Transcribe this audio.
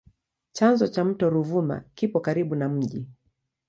Chanzo cha mto Ruvuma kipo karibu na mji.